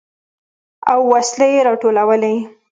او وسلې يې راټولولې.